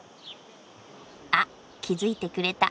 あっ気付いてくれた。